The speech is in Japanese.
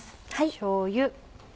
しょうゆ。